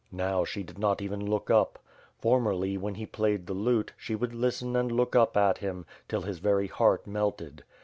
Now, she did not even look up. Formerly, when he played the lute, she would listen and look up at him, till his very heart melted.